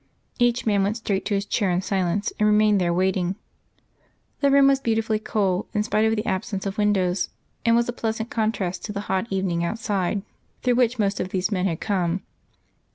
Each man went straight to his chair in silence, and remained there, waiting. The room was beautifully cool, in spite of the absence of windows, and was a pleasant contrast to the hot evening outside through which most of these men had come.